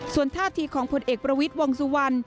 ส่วนท่าทีของผลเอกประวิทย์วงสุวรรณ